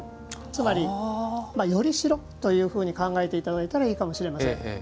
つまり依代というふうに考えていただければいいかもしれません。